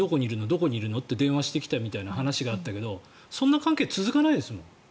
どこにいるの？って電話してきたみたいな話があったけどそんな関係いつまでも続かないですもん。